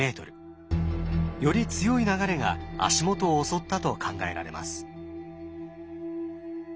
より強い流れが足元を襲ったと考えられます。